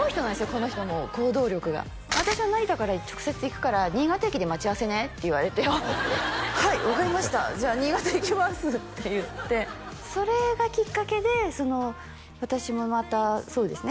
この人もう行動力が私は成田から直接行くから新潟駅で待ち合わせねって言われてああはい分かりましたじゃあ新潟行きますっていってそれがきっかけで私もまたそうですね